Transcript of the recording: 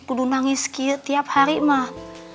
dulu nangis tiap hari mah